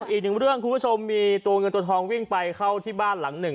อีกหนึ่งเรื่องคุณผู้ชมมีตัวเงินตัวทองวิ่งไปเข้าที่บ้านหลังหนึ่ง